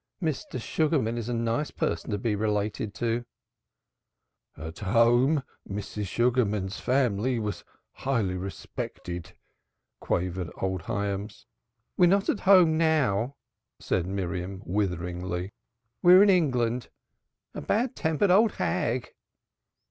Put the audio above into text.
"Mr. Sugarman is a nice person to be related to!" "At home, Mrs. Sugarman's family was highly respected," quavered old Hyams. "We are not at home now," said Miriam witheringly. "We're in England. A bad tempered old hag!"